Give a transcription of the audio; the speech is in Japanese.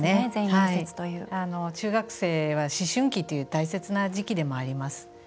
中学生は思春期という大切な時期でもあります。